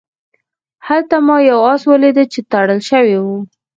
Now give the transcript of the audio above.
هلته ما یو آس ولید چې تړل شوی و.